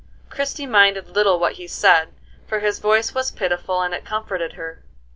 Christie minded little what he said, for his voice was pitiful and it comforted her.